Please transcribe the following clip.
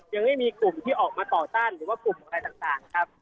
ยังไม่มีกลุ่มที่ออกมาต่อต้านหรือว่ากลุ่มอะไรต่างครับ